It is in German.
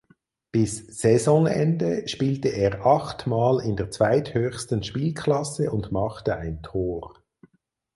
Bis Saisonende spielte er acht Mal in der zweithöchsten Spielklasse und machte ein Tor.